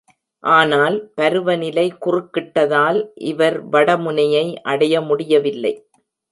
ஆனால், பருவநிலை குறுக்கிட்டதால், இவர் வட முனையை அடைய முடியவில்லை.